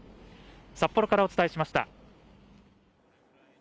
札幌からお伝えしました。